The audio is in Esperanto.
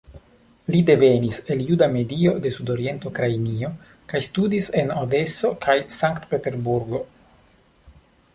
Li devenis el juda medio de Sudorienta Ukrainio kaj studis en Odeso kaj Sankt-Peterburgo.